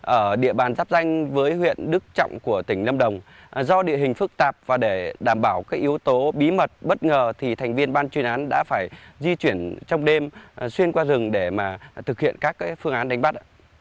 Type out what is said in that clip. ở địa bàn giáp danh với huyện đức trọng của tỉnh lâm đồng do địa hình phức tạp và để đảm bảo các yếu tố bí mật bất ngờ thì thành viên ban chuyên án đã phải di chuyển trong đêm xuyên qua rừng để thực hiện các phương án đánh bắt